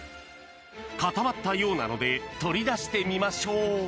固まったようなので取り出してみましょう。